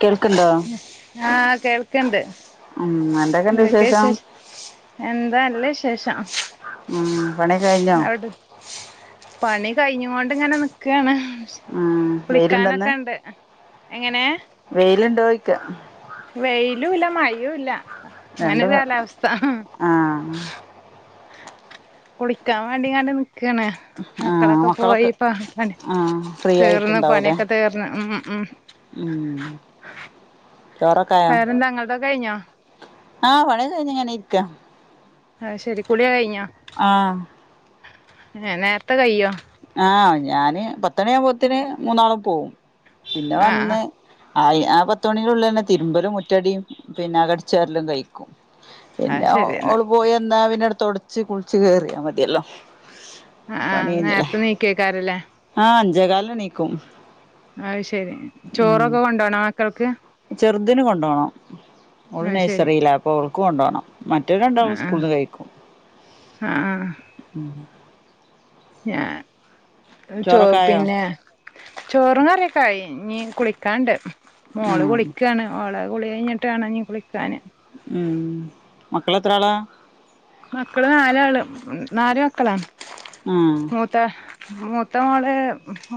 കേൾക്ക്ണ്ടോ ആഹ് കേൾക്കിണ്ട് ഉം എന്തൊക്കെണ്ട് എതൊക്കെയാ വിശേഷം എന്താ നല്ല വിശേഷം. ഉം പണി കഴിഞ്ഞോ ആവിടെ പണി കഴിഞ്ഞിക്കൊണ്ട് ഇങ്ങനെ നിക്കാണ്. ആ വെയിലിണ്ടാ ഇന്ന് കുളിക്കാനൊക്കെ ഉണ്ട് എങ്ങനെ വെയിലുണ്ടോയി ക്കാ വെയിലും ഇല്ല മഴയും ഇല്ല രണ്ട് ആഹ് കുളിക്കാൻ വേണ്ടി ഞാൻ നി ക്കാണ് മക്കളൊക്കെ പോയിപ്പോ പണി ആഹ് ഫ്രീ തീർന്ന് ആയിട്ടുണ്ടാവൂലേ പണിയൊക്കെ തീർന്ന് ഉം ഉം ഉം ചോറൊക്കായോ വേറെന്താ ഇങ്ങൾതൊക്കെ കഴിഞ്ഞോ ആഹ് പണി കഴിഞ്ഞ് ഇങ്ങനെ ഇരിക്കാ അത് ശെരി കുളി കഴിഞ്ഞാ? ആ ഏ നേരത്തെ കയ്യോ? ആ ഞാന് പത്തണിയാവുമ്പോത്തിന് മൂന്നാളും പോവും പിന്നെ ആഹ് ആഹ് വന്ന് അയ് ആ പത്തു മണിക്കുള്ളില്ലന്നെ തിരുമ്പലും മുറ്റടിയും പിന്നെ അകടിച്ച് വാരലും കഴിക്കും പിന്നെ അത് ശരി എന്നാ ഓള് പോയി വന്നാ പിന്നെടുത്തൊട ച്ച് കുളിച്ച് കയറിയാ മതിയല്ലോ അ ആ നേർത്തെ നീ കേക്കാരും ലേ ആ അഞ്ചേ കാലിന് എണീക്കും. അത് ശെരി ഉം ചോറൊക്കെ കൊണ്ടോണാ ക്കൾക്ക് ചെറുതിന് കൊണ്ടോണം ഓളു അത് ശരി നഴ്സറില അപ്പൊ ഓ ബുക്ക് കൊണ്ടുപോകണം ആ മറ്റവരുണ്ടാവും ആ സ്കൂളിന്ന് കഴിക്കും ആ ഞാൻ ചോ ചോറൊക്കെ ആയോ പിന്നെ ചോറും കറിയൊക്ക ആയി ഇനി കുളിക്കാനുണ്ട് മോള് ഉം കുളിക്കുകയാണ് ഓള കുളി കഴിഞ്ഞിട്ട് വേണം ഇനി കുളിക്കാൻ ഉം മക്കളെത്ര ആളാ മക്കള് നാലാള് നാല് മക്കളാണ് ആഹ് മൂത്ത മൂത്ത മോള്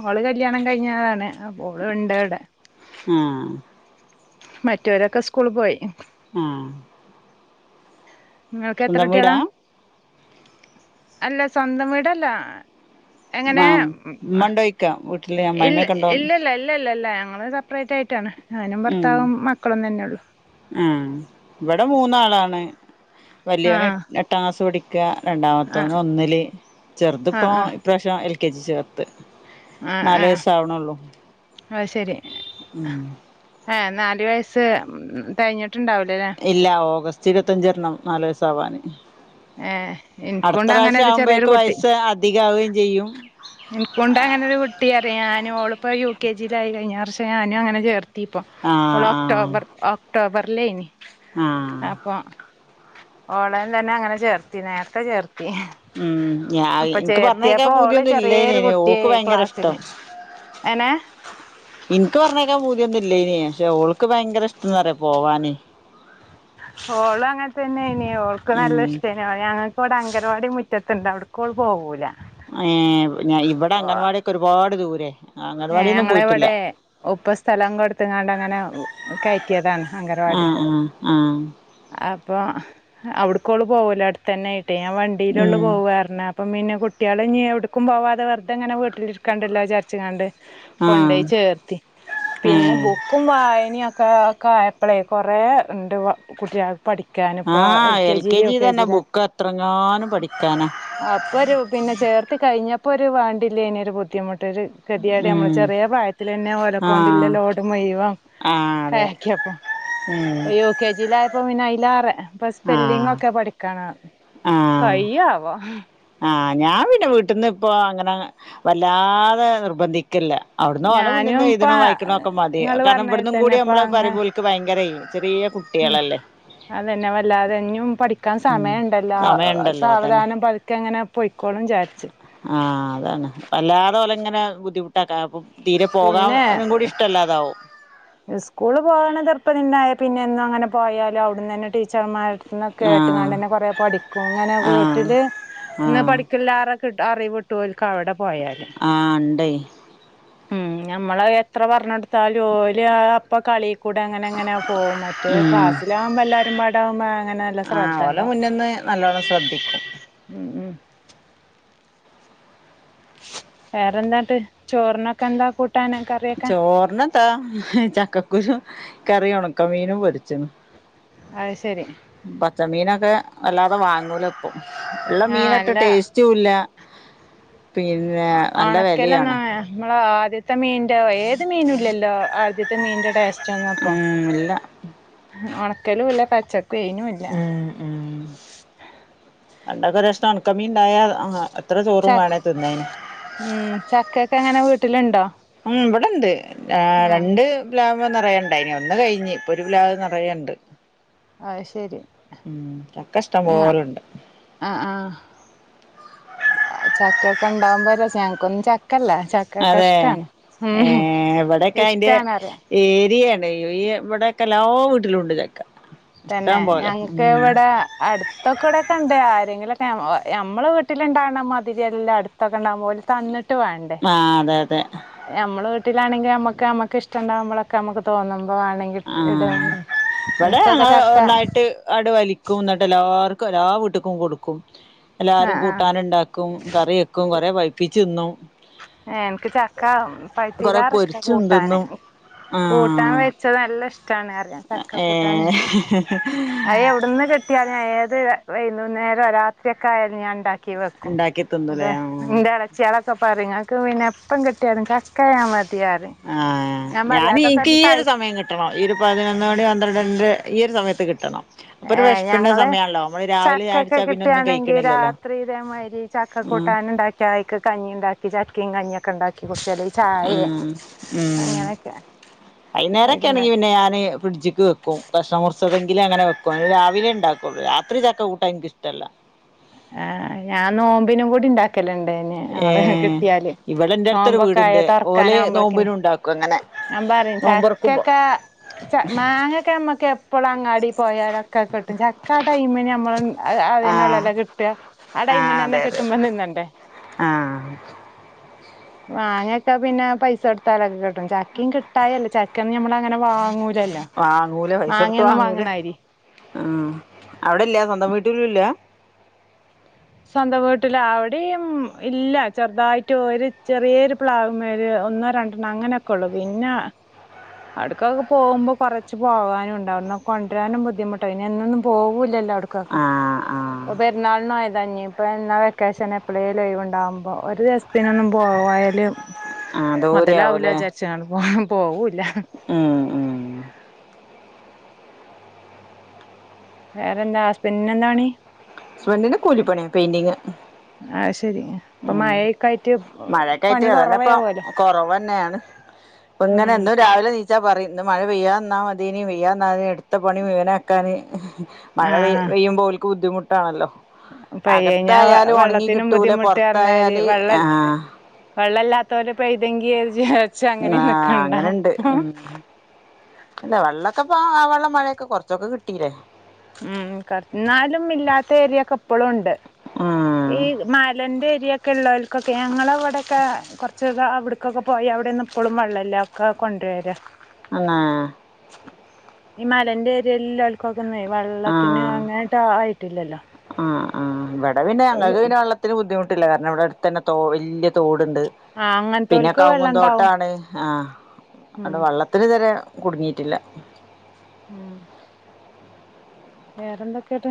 മോള് കല്യാണം കഴിഞ്ഞാലാണ് മോൾ ഇണ്ട് ഇവിടെ ആ മറ്റവരൊക്കെ സ്കൂള് പോയി ആ നിങ്ങക്ക് എത്ര കുട്ടിയളാ അല്ല സ്വന്തം വീടല്ല എങ്ങനെ ആ ഉമ്മണ്ടോയിക്ക വീട്ടില് അമ്മായിമ്മയൊക്കെയുണ്ടോന്ന് ല്ലല്ല ഞങ്ങൾ സെപ്പറേറ്റ് ആയിട്ടാണ് ഞാനും ഭർത്താവും മക്കളും തന്നെ ഉള്ളു ഉം ഇവിടെ മൂന്നാളാണ് വലിയവന് ആഹ് എട്ടാം ക്ലാസ്സിൽ പഠി ക്ക രണ്ടാമത്തവന് ആഹ് ഒന്നിൽ ആഹ് ചെറുത്പ്പോൾ ആഹ് ഇപ്രാവശ്യം എൽ കെ ജി ചേർത്ത് ആഹ് നാല് ആഹ് വയസ ആവണെ ഉള്ളു ഏഹ നാല് വയസ്സ് തികഞ്ഞിട്ട് ഇല്ല ഓകസ് ഇരുപത്തി അഞ്ചാവണം നാല് വയസ്സ് ആവാന് ഏ എനിക്കൊണ്ട് അങ്ങനെ ഒരു ചെറിയൊരു ആവുമ്പോഴേക്ക് കുട്ടി വയസ്സ് അധികാവുകയും ചെയ്യും എനികൊണ്ട് അങ്ങനൊരു കുട്ടി ഞാൻ ഓളിപ്പോ യു കെ ജിയിലായി കഴിഞ്ഞ വർ പക്ഷെ ഞാനും അങ്ങന ചേർത്ത് ദീപ്പം ഓൾ ആഹ് ഒക്ടോബർക് ട്ടോ ഒക്ടോബറിലായിനി ആ ഓടൻ തന്നെ അങ്ങനെ ചേർത്തി നേരത്തെ ചേർ ഉം ഞ എനിക്ക് പറഞ്ഞേക്കാൻ ചേർത്തിയപ്പോ ഓള് ചെറിയൊരു ബോധിയൊന്നുംല്ലന ഓക്ക് കുട്ടിയായി ഭയങ്കര ക്ലാസ്സില് ഇഷ്ടം എനെ എനിക്ക് പറഞ്ഞേക്കാൻ ഭൂതിന്നുമില്ല ഇല്ല്യ ഇല്യാ പക്ഷെ ഓള്ക്ക് ഭയങ്കര ഇഷ്ടാന്ന് പറയാ പോവാന് ഓള് അങ്ങനെ തന്നെ ഇനി ഓൾക്ക് നല്ല ഉം ഇഷ്ടേന ഓ ഞങ്ങൾക്ക് വിടെ അങ്കവാടി മു റ്റത്തെണ്ട് അവിടെ ക്ക് ഓൾ പോകൂല ഏ ഞാൻ ഇവിടെ അംഗൻവാിയൊക്കെ ഒരുപാട് ദൂരെേ ഏ ഞങ്ങള ഇവിടെ ഉപ്പ സ്ഥലം കൊടുത്തങ്ങാണ്ട്ങ്ങനെ കയറ്റിയതാണ് ആ അംഗനവാടി ആ ആ ആ അപ്പോൾ അവിടുക്കോള് പോകൂല അവിടെ തന്നെ മറ്റേ വണ്ടിയിലുള്ള് ഉം പോവാരുന്ന് അപ്പം പിന്നെ കുട്ടികൾ ഇനി എവിടക്കും പോവാതെറുതെങ്ങനെ വട്ടിലിരിക്കാണ്ടല്ലോ വിചാരിച്ച് ങ്ങാണ്ട് ആ കൊണ്ടോയി ചേർത്തി ഏ പിന്നെ ബുക്കും വായനൊക്കെ ക്കെ ക്കെയപ്പളേ കുറെേ ഉണ്ട് കുട്ടികള് പഠിക്കാ ആ ക്കാനിപ്പം എൽ കെ ജില് യു ജി കെ തന്നെ ജിലാ ബുക്ക് എത്രങ്ങാനും പഠിക്കാനാ അപ്പെരുചേർത്ത് കയിഞ്ഞപ്പം ത്‌ വാണ്ടില്ലേന് ഒരു ബുദ്ധിമുട്ട് ഒരു ഇതിടി നമ്മൾ ഉം ചെറിയ പ്രായത്തിൽ തന്നെ ആ ഓലക്കൊണ്ടുള്ള ലോഡ് മുയവം ആ അതെ കക്കിയപ്പ ഉം യു കെ ജിയിലയപ്പോ പിന്ന ആയില് ചാറ് ഇപ്പൊ ആ സ്പെല്ലിംഗ ഒക്കെ പഠിക്കാണ് ആ കായ്യിയാവാ ആ ഞാൻ പിന്നെ വീട്ടിൽന്ന് ഇപ്പൊ അങ്ങനെ വല്ലാതെ നിർബന്ധി ക്കില്ല അവിടന്നോ വല ഞാനും ഇപ്പ മുന്നന്നോഴുതതിനോ വായിക്കണോക്കെ മതിയ ഇങ്ങള് കാരണം പറഞ്ഞാതിരി ഇവിടുന്നും തന്നെ കൂടി ഇപ്പ നമ്മള അങ്ങനെ പറയ്മ്പോൾക്ക് ഭയങ്കര്യ ഉം അതന്നെ വല്ലാതെന്നും പഠിക്കാൻ ഉം സമയം ഉണ്ടല്ലോ സാവധാനം പതുക്കെ അങ്ങനെ പൊയ്ക്കോളും വിചാരിച്ച് ആഹ അതാണ് വല്ലാതെപോലെ അങ്ങനെ ബുദ്ധിമുട്ടാക്കായപ്പം തീരെ പിന്നെ പോകാം കൂടി ഇഷ്ടല്ലാതാവും സ്കൂള് പോകണ എപ്പതന്നായാലും പിന്നെന്നും അങ്ങനെ പോയാലും അവിടന്ന് തന്നെ ടീച്ചർമാരു ആ ന്നക്കായിട്ട് ഞാൻ തന്നെ പറയ കൊറെ പഠിക്കും ഇങ്ങനെ ആ വീട്ടില് ആ പഠിക്കില്ലാരൊ ട്ട് അറിവിട്ടു ഓൽക്ക് അവിടെ പോയാല് ആ ഇണ്ടേ ഉം ഞമ്മള എത്ര പറഞ്ഞെടുത്താലും ഓ ര് അപ്പ കളി കൂടെ അങ്ങനെ എങ്ങനെ പോകും മറ്റേ ഉം ക്ലാസ്സിലാകുമ്പോ എല്ലാരുമ്പാടെ അങ്ങനെ നല്ല ആ ശ്രദ്ധ ഓലെ ഇണ്ടാവും മുന്നിന്ന് നല്ലോണം ശ്രദ്ധിക്കും. ഉം വേറെന്താ ട്ട് ചോറിനൊക്കെ എന്താ കു ട്ടാന് കറിയൊക്കെ? ത്താ ചക്കക്കുരും കറി ഉണക്കമീനും പൊരിച്ച്ണ്. അത് ശരി ച്ച മീനൊക്കെ വല്ലാതെ വാങ്ങൂലപ്പം. ഇള്ള ആഹ് മീനെ ട്ടെ ടേസ്റ്റൂല്ല. വെലയാണ് ഒണക്കെലൊന്നായ ഇങ്ങളാ ത്തെ മീന്റെ ഏത് മീനു ഇല്ലല്ലോ ആദ്യത്തെ മീന്റെ ടേസ്റ്റ ഒന്നു പ്പം. ഉം ഇല്ല കലൂ ഇല്ല പച്ച ക്ക്വെയ്നൂല്ല. ഉം പണ്ടക്കൊരഷ്ണം ഒണക്കമീൻണ്ടായാ എത്ര ചോറും ച വേണേ തിന്നേനി. ഇപ്പൊ എങ്ങനെ വീട്ടിലുണ്ടോ ഉം ഇവിടെണ്ട് ആ ആഹ് രണ്ട് പ്ലാ [unintelligible] നറയണ്ടായിനി ഒന്ന് കഴിഞ് ഇപ്പൊരു പ്ലാവ് നറയണ്ട് ആഹ്ശരി ഉം ചക്ക ഇഷ്ട്ടപോലുണ്ട് ആ ചക്കൊക്കെണ്ടാവുമ്പോ രസ ഞങ്ങക്കൊന്ന് ചക്ക അതേ ഏ ഇവിടൊക്കെ അയിന്റെ ഇഷ്ടാണ് അറിയ ഏരിയാണ് ഈ ഇവിടെയൊക്കെ എല്ലാ വീട്ടിലുണ്ട് ചക്ക തന്നെ ഇഷ്ടം പോലെ ഞങ്ങക്ക് ഉം ഇവിടെ അടുത്തൊക്കൂടൊക്കെ ഉണ്ടേ ആരെങ്കിലൊക്കെ ഞമ്മളെ വീട്ടിലിണ്ടാവ്ണ മാതിരിയല്ല അടുത്തൊക്കെണ്ടാവുമ്പോ ഓല് തന്നി ആ അതെ അതെ ഞമ്മളെ വീട്ടിലാണെങ്കി നമ്മക്ക് നമ്മക്കിഷ്ടംണ്ടാവുമ്പളൊക്കെ നമ്മക്ക് തോന്നു മ്പോവാണങ്കിൽ ഇടും ഉം അത്‌ ഓ ഒന്നായിട്ട് ആണ്ട് വലിക്കും ന്ന്ട്ടെല്ലാ ആർക്കും എല്ലാ വീട്ട്ക്കും കൊടുക്കും എല്ലാരും ആഹ് ആഹ് കൂട്ടാന്ണ്ടാക്കും കറി വെക്കും കൊറെ പൈപ്പിച്ച്ന്നും ഏൻക്ക് ചക്ക കൊറെ പൈത്തിയിലാറിഷ്ട പൊരിച്ചും കൂട്ടാന് തിന്നും കൂട്ടാൻ ആഹ് വെച്ച നല്ല ഇഷ് ടാണറിയ ചക്ക കൂട്ടാന് ഉ അ എവിടന്ന് കെട്ടിയാ ഞാൻ ഏത് വൈുന്നേരം രാത്രിയ ഒക്കെ ആയാലും ഞാൻ ഉണ്ടാക്കി ക്കെ വെക്കും ഉണ്ടാക്കി അത തിന്നുലേ ആഹ് എളച്ചി അളക്ക പറയും ഞാ കനെപ്പം കെട്ടിയലും കക്കായ ആഹ ഞാൻ എനിക്ക് ഈ ഒരു സമയം കിട്ടണം ഈ ഒരു പതിനൊന്ന് മണി പന്ത്രണ്ട് രണ്ട് ഏ ഞങ്ങള് സമയാണല്ലോ നമ്മള് രാവിലെ ചായ ചക്കൊക്കെ കുടിച്ചാ പിന്നെ ഒന്നും കിട്ടുകയാണെങ്കി കഴിക്കണില്ലല്ലോ രാത്രി ഇതേമാതിരി ചക്ക ആഹ് കൂട്ടാന ഉണ്ടാക്കിക്ക് കഞ്ഞി ഉണ്ടാക്കി ചക്കയും കഞ്ഞിയൊക്കെ കണ്ട മ് മ് അങ്ങനെയൊക്കെ വൈന്നേരൊക്കെയ ആണെങ്കി വൈകുന്നേരം പിന്നെ ഞാന് ഫ്രിഡ്ജിക്ക് വെക്കും കഷ്ണമുറിച്ചതെങ്കിലും അങ്ങനെ വെക്കും അ രാവിലെ ഉണ്ടാക്കുകുള്ളൂ രാത്രി ചക്ക കൂട്ടാ എനിക്ക ഇഷ്ടല്ല ആഹ് ഞാൻ നോമ്പിനും കൂടി ഉണ്ടാക്ക ഏ ഇവിടെ എന്റെ അടുത്തൊ ഒരു നോമ്പൊക്കെ ആയ വീടുണ്ട് ഓലെ തൊറക്കാനാവുമ്പളേക്കിന് നോമ്പിനും ഉണ്ടാക്കും അങ്ങനെ ഞാൻ പറയും നോമ്പൊറക്കുമ്പോ ചക്കൊക്കെ ച മാങ്ങൊക്കെ അമ്മക്ക് എപ്പള്ള അങ്ങാടി പോയാലൊക്കെ കിട്ടും ചക്ക ആ ടൈമിന് നമ്മള് ആഹ് അതിനുള്ളല്ലാം കിട്ട ആ ആഹ് ടൈമിന് തന്നെ അതെ അതെ കിട്ടുമ്പോ നിന്നണ്ടേ ആഹ് വാങ്ങൊക്കെ പിന്നെ പൈസ കൊടുത്താലൊക്കെ കിട്ടും ചക്കയും കിട്ടായല്ല ചക്കയൊന്നും ഞമ്മളങ്ങനെ വാങ്ങൂലല്ലോ വാങ്ങൂല പൈസടുത്ത് മാങ്ങയൊന്നും വാങ്ങൂല വാങ്ങണായിരി ഉ അവിടെല്ല സ്വന്തം വീട്ടിലല്ല സ്വന്തം വീട്ടില അവിടെയും ഇല്ല ചെറുതായിട്ട് ചെറിയരു പ്ലാവമാേര് ഒന്നോ രണ്ടെണ്ണം അങ്ങനെയൊക്കെ ഉള്ളു പിന്നെ അടുക്കൊക്കെ പോകുമ്പോ കുറച്ച് പോകാനുംണ്ട് അന്നൊ കൊണ്ടുവരാനും ബുദ്ധിമുട്ട് ഇനി എന്നൊന്നും പോകൂല്ലല്ലോ ടുക്കക്കെ ആഹ് ആഹ് അപ്പൊ പെരുന്നാളിന് പോ താ വന്ന വെക്കേഷന് ഇപ്പൊളെലും ഒഴിവുണ്ടാകുമ്പോ ഒര് പിന്ന ഒന്നും പോായാലും ആഹ് ദൂരെ മുതലാവൂല ആചാരിച്ചാണ് പോ പോവുല്ല ഉ ഉ വേറെന്താ ഹസ്ബന്റിന എന്താണി ഹസ്ബന്റ്റിന് കൂലിപ്പണിയ പെയിന്റിങാ അത് ശരി ഇപ്പൊ ഉം മഴയൊക്കെ ആയിട്ട് മഴെക്കയിട്ട് പണി അതന്നെപ്പൊ കൊറവാവോലോ കൊറവ്ന്നെയാണ് ഇപ്പങ്ങനെ ഉം എന്നും രാവിലെണീച്ചാ പറയും ഇന്ന് മഴ പെയ്യാത് ന്നാമതീനി പെയ്യാത് നാതീന്ന് എടുത്ത പണി മുയുവനാക്കാന് മഴ പെയ് ആഹ് പെയ്യുമ്പോ ഓൽക്ക് ബുദ്ധിമുട്ട് ട്ടാണ്ല്ലൊ പയ്യഞ്ഞാ അകത്തായാലും ഉണങ്ങി വെള്ളത്തിനും കിട്ടൂല ബുദ്ധിമുട്ട് പുറത്ത് ത്തായാല് വെള്ളല്ലാത്തവര് പയ്തെങ്കി ആ അങ്ങനെണ്ട് ഉം അല്ല വെള്ള പ്പ ആ വെള്ളം മഴയൊക്കെ കുറച്ചൊക്കെ കിട്ടീല്ലേ ഉം ക എന്നാലും ഇല്ലാത്ത ഏരിയയൊക്കെ ഇപ്പളും ഒണ്ട് ആഹ് ഈ മലേന്റ്റേ രിയൊക്കെ ഉള്ളോർക്കൊക്കെ ഞങ്ങളവിടെക്കെ കൊറച്ച് ദ് അവിടെക്കെക്കെ പോയി അവിടെന്നും ഇപ്പളും വെള്ളല്ല ഒക്കെ കൊണ്ട്‌രാ അന്നാ ഇ മലേന്റെ ഏരിയേല് ല്ല ലാൽകൊക്കെ വെള്ളത്തിന് ആഹ് അങ്ങേട്ട് ആയിട്ടില്ലല്ലോ അ പിന്നെ ഞങ്ങക്ക് പിന്നെ വെള്ളത്തിന് ബുദ്ധിമുട്ട് ഇല്ല കാരണം അവിടെ അടുത്തന്നെ തോ വല്യ തോട് ട്ണ്ട് ആഹ് പിന്നെ അങ്ങനത്തോൽക്ക് കവ്ങ്ങും വെള്ളണ്ടാവും തോട്ടാണ് ആ അട് ഉം വള്ളത്തിനിതുരെ കുടുങ്ങി ട്ടില്ല ഉം വേറെന്തൊക്കെട്ട്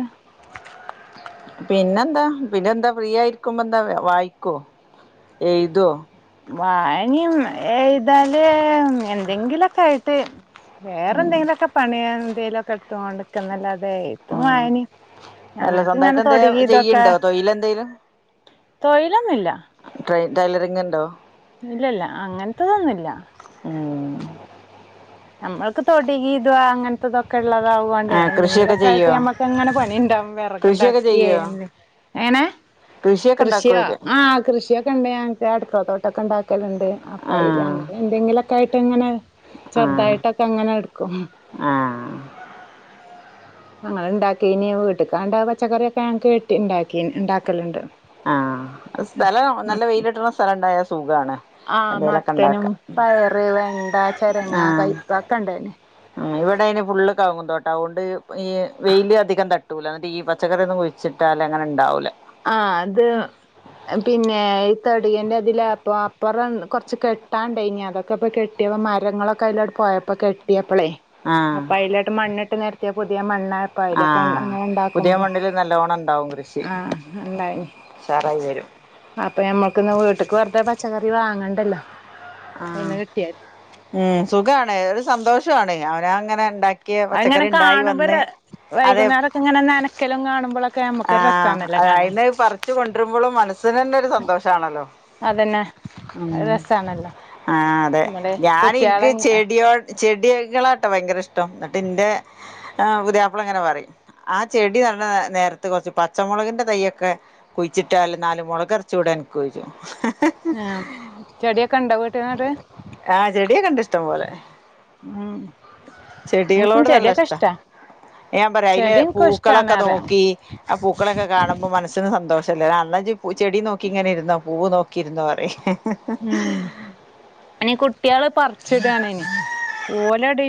പിന്നെന്താ പിന്നെ എന്താ ഫ്രീ ആയിരിക്കുമ്പോ എന്താ വായിക്കോ എയ്തോ വായനും ഏയ്തല് എന്തെങ്കിലൊക്കായിട്ട് വേറെ എന്തെങ്കിലുമൊക്കെ പണിയാന് ലൊക്കെ എടുത്തോണ്ടിക്ക്ന്നല്ലാതെ എയ്ത്തും ഉം വായനയും അല്ല ഞങ്ങക്കിങ്ങനെ സ്വന്തമായിട്ട് എന്തേ തൊടങ്ങീതൊക്കെ ചെയ്യണ്ടോ തൊഴിലെന്തേലും തൊഴിലൊന്നില്ല ട്ര ടൈലറിംഗ്ണ്ടോ ഇല്ലല്ല അങ്ങനത്തതൊന്നുംല്ലാ ഉം നമ്മൾക്ക് തൊടിഗീതുവാ അങ്ങനത്തെതൊക്കെ ഉള്ളതാവ്വണ്ടെ ആ കൃഷിയൊക്കെ എന്തെങ്കിലൊക്കെ ആയിട്ട് ചെയ്യോ ഞമ്മക്ക്ങ്ങനെ പണിണ്ടാവും കൃഷിയൊക്കെ വിറക്ണ്ടാക്കിയെ ചെയ്യോ എനെ എങ്നെ കൃഷിയൊക്കെ കൃഷിയോ ഉണ്ടാക്കോയ്ക്ക ആ കൃഷിയൊക്കെണ്ട് ഞക്ക് അടുക്കള തോട്ടൊക്കെണ്ടാക്കലുണ്ട് അപ്പ ആ അയ്ല് അങ്ങനെ ന്തെങ്കിലുക്കെ ഒക്കെയായിട്ട്ങ്ങനെ ആ ചെറുതായിട്ടൊക്കെ അങ്ങനെ എടുക്കും ആ അങ്ങനെ ഇണ്ടാക്കി ഇനി വീട്ടക്കാണ്ട പച്ചക്കറിയൊക്കെ ഞങ്ങ്ക്കിട്ടി ഒണ്ടാക്കി ഒണ്ടാക്കലുണ്ട് ആ സ്ഥലം നല്ല വെയിലിട്ടണ സ്ഥലം ഉണ്ടായാ സുഖാണ് ആ എന്തേലൊക്കെ മത്തനും ഉണ്ടാക്കാം പയറ് വെണ്ട ചരങ്ങ ആ കൈപ്പക ഒക്കെ ഇണ്ടന്നെ ഇവിടെ അതിന് ഫുള്ള് കവ്ങ്ങും തോട്ടാ അതുകൊണ്ട് ഈ വെയില് അധികം തട്ട് ട്ടുല എന്നിട്ട് ഈ പച്ചക്കറി ഒന്നും കുഴിച്ചിട്ടാല് അങ്ങനെ ഉണ്ടാവൂല ആ അത് പിന്നെ ഈ തടിയൻറെ അതില അപ്പൊ അപ്പുറം കൊറച്ച് കെട്ടാണ്ട് ഇനി അതൊക്കെ ഇപ്പ കെട്ടിയപ്പോ മരങ്ങളൊക്കെ അതിലോട് പോയപ്പോ കെട്ടിയപ്പ അപ്പ്ളെ ആ അപ്പം അയ്ലോട്ട് മണ്ണിട്ട് നിർത്തിയ പുതിയ മണ്ണായപ്പൊ ആ അയ്ലേക്ക് അങ്ങനെ പുതിയ ഉണ്ടാക്കുമ്പോൾ മണ്ണില് നല്ലോണം ഉണ്ടാവും കൃഷി ആ ണ്ടായി ഉഷാറായി വരും അപ്പൊ നമ്മക്ക്ന്ന് വീട്ട്ക്ക് വെറുതെ പച്ചക്കറി വാ ആ അങ്ങണ്ടല്ലോ ആ ഉം സുഖണ ഒരു സന്തോഷണ് അ ഞാങ്ങനെ ഇണ്ടാക്കി അതിങ്ങനെ പച്ചക്കറി ഇണ്ടായി കാണുമ്പോ വന്ന് ര അതെ വൈകുന്നേരൊക്കെ ഇങ്ങനെ നനക്കലും കാണുമ്പോഴൊക്കെ ആ നമുക്ക് രസാണല്ലോ കാണാൻ അയിന്ന് പറിച്ചു കൊണ്ടിരുമ്പോഴും മനസ്സിന് തന്നെ ഒരു സന്തോഷമാണല്ലോ അതന്നെ ഉ രസാണല്ലോ ആ അതെ നമ്മള് ഞാൻ ഇൻക്ക് കുട്ടികളെ ചെടിയോ ചെടികള ട്ട ഭയങ്കര ഇഷ്ടം എന്നിട്ട് ഇൻ്റെ പുതിയാപ്പള ഇങ്ങനെ പറയും ആ ചെടി നട നേരത്ത് കുറച്ച് പച്ചമുളകിൻ്റെ തൈയൊക്കെ കുഴിച്ചിട്ടാലും നാല് മുളകർചൂടെ അൻക്ക്ഓയ്ച്ചു ആ ചെടിയൊക്കെ ണ്ട വീട്ടനട് ആഹ് ചെടിയൊക്കെ ഇണ്ട് ഇഷ്ടം പോലെ എനിക്കും ചെടികളോട് നല്ല ചെടിയൊക്കെ ഇഷ്ട ഇഷ്ടാ ഞാൻ പറയാ അതില ചെടി എനിക്കും ഇഷ്ടാണ് പൂക്കളൊക്കെ പറയാ നോക്കി ആ പൂക്കളൊക്കെ കാണുമ്പോ മനസ്സിന് സന്തോഷം പല്ല അന്നഞ്ച് പ ചെടി നോക്കി ഇങ്ങനെരുന്നോ പൂവ് നോക്കിരുന്നോ അറിയും [unintelligible] അനി കുട്ടികള് പറിച്ചിടണന് ഓലട്